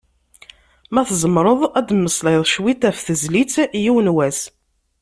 Ma tzemmreḍ ad d-temmeslayeḍ cwiṭ ɣef tezlit "Yiwen wass".